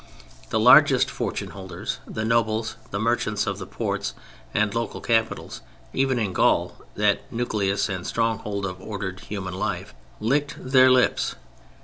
The largest fortune holders, the nobles, the merchants of the ports and local capitals even in Gaul (that nucleus and stronghold of ordered human life) licked their lips.